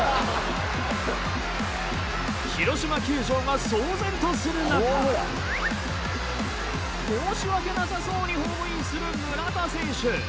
広島球場が騒然とするなか申し訳なさそうにホームインする村田選手。